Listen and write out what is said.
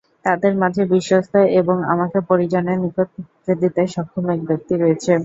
তাদের মাঝে বিশ্বস্ত এবং আমাকে পরিজনের নিকট পৌঁছে দিতে সক্ষম এক ব্যক্তি রয়েছে।